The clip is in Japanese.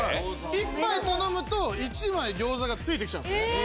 １杯頼むと１枚餃子が付いてきちゃうんですね。